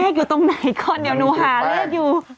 อยู่ตรงไหนก่อนเดี๋ยวหนูหาเลขอยู่